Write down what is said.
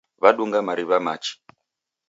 Wadunga mariw'a machi.